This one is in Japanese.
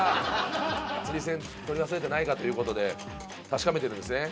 釣り銭取り忘れてないかということで確かめてるんですね。